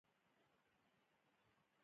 د حکومت مرسته ورسره وشوه؟